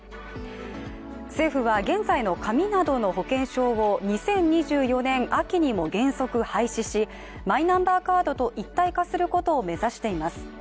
政府は現在の紙などの保険証を２０２４年秋にも原則廃止し、マイナンバーカードと一体化することを目指しています。